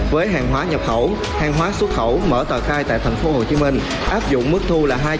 với hàng hóa nhập khẩu hàng hóa xuất khẩu mở tờ khai tại thành phố hồ chí minh